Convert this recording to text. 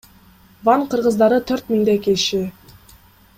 Ван кыргыздары төрт миңдей киши.